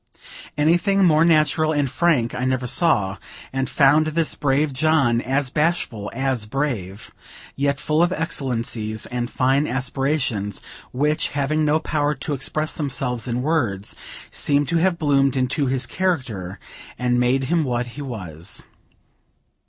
Anything more natural and frank I never saw, and found this brave John as bashful as brave, yet full of excellencies and fine aspirations, which, having no power to express themselves in words, seemed to have bloomed into his character and made him what he was.